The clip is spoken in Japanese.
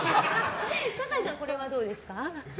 坂井さん、これはどうですか？